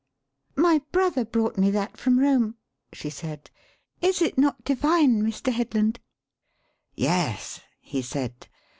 "My brother brought me that from Rome," she said. "Is it not divine, Mr. Headland?" "Yes," he said.